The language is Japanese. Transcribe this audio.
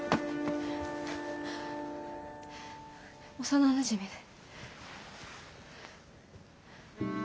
幼なじみで。